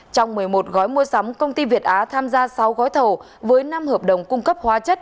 trong một mươi một gói mua sắm công ty việt á tham gia sáu gói thầu với năm hợp đồng cung cấp hóa chất